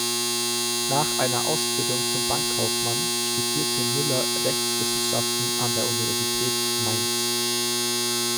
Nach einer Ausbildung zum Bankkaufmann studierte Müller Rechtswissenschaften an der Universität Mainz.